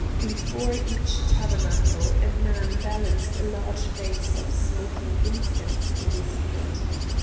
Before each tabernacle a man balanced a large vase of smoking incense on his head.